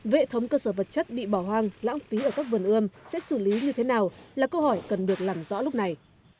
vệ thống cơ sở vật chất bị bỏ hoang lãng phí ở các vườn ươm sẽ xử lý như thế nào là câu hỏi cần được làm rõ lúc này